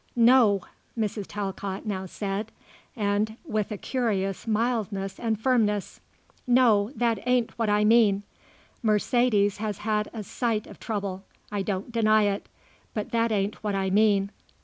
"No." Mrs. Talcott now said, and with a curious mildness and firmness. "No, that ain't what I mean. Mercedes has had a sight of trouble. I don't deny it, but that ain't what I mean.